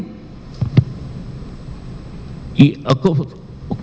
kebutuhan domestik tentunya masyarakat dalam hal listrik